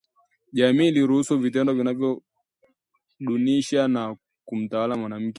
Jamii inaruhusu vitendo vinavyodunisha na kumtawala mwanamke